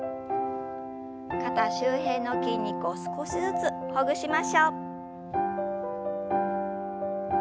肩周辺の筋肉を少しずつほぐしましょう。